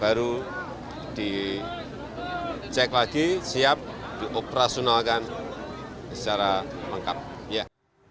baru di cek lagi siap dioperasionalkan secara lengkap ya